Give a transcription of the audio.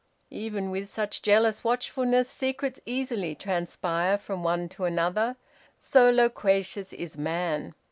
Even with such jealous watchfulness, secrets easily transpire from one to another; so loquacious is man!